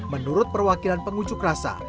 menurut perwakilan pengunjuk rasa